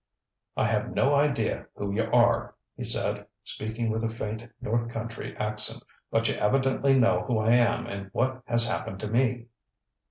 ŌĆ£I have no idea who you are, ŌĆØ he said, speaking with a faint north country accent, ŌĆ£but you evidently know who I am and what has happened to me.